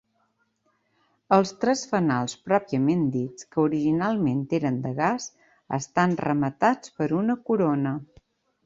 Els tres fanals pròpiament dits, que originalment eren de gas, estan rematats per una corona.